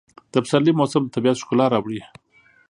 د پسرلي موسم د طبیعت ښکلا راوړي.